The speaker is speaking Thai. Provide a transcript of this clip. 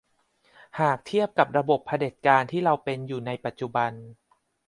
หากเทียบกับระบบเผด็จการที่เราเป็นอยู่ในปัจจุบัน